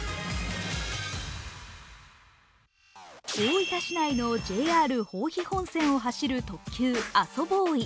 大分市内のＪＲ豊肥本線を走る特急・あそぼーい。